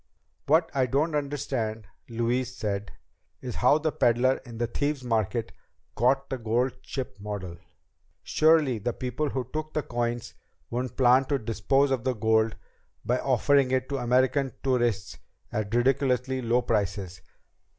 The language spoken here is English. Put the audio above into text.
"What I don't understand," Louise said, "is how the peddler in the Thieves' Market got the gold ship model. Surely the people who took the coins wouldn't plan to dispose of the gold by offering it to American tourists at ridiculously low prices."